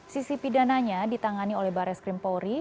sisi pidananya ditangani oleh barreskrim pauri